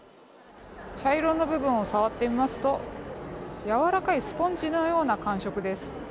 茶色の部分を触ってみますとやわらかいスポンジのような感触です。